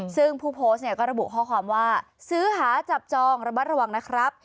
ซึ่งผู้โพสต์เนี่ยก็ระบุข้อความว่าซื้อหาจับจองระมัดระวังนะครับ